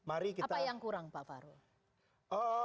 apa yang kurang pak farul